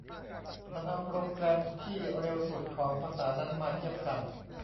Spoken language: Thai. มันเอาโปรแกรมที่เร็วสุดของภาษานั้นมาเทียบกัน